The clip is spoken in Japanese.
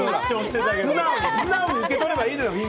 素直に受け取ればいいのよ。